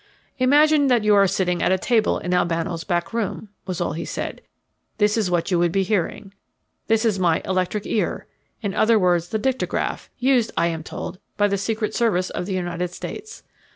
"Imagine that you are sitting at a table in Albano's back room," was all he said. "This is what you would be hearing. This is my 'electric ear' in other words the dictagraph, used, I am told, by the Secret Service of the United States.